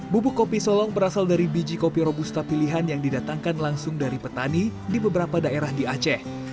bubuk kopi solong berasal dari biji kopi robusta pilihan yang didatangkan langsung dari petani di beberapa daerah di aceh